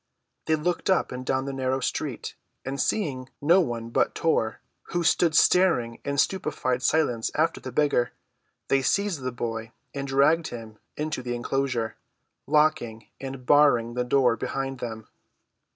They looked up and down the narrow street, and seeing no one but Tor, who stood staring in stupefied silence after the beggar, they seized the boy and dragged him into the enclosure, locking and barring the door behind them.